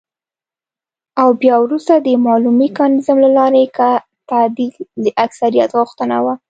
او بيا وروسته د مالوم ميکانيزم له لارې که تعديل د اکثريت غوښتنه وه،